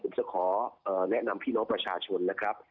ผมจะขอแนะนำพี่น้องประชาชนนะครับ